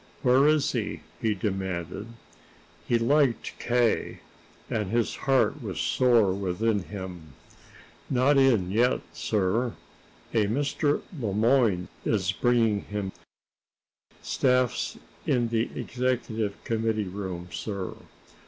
"Where is he?" he demanded. He liked K., and his heart was sore within him. "Not in yet, sir. A Mr. Le Moyne is bringing him. Staff's in the executive committee room, sir."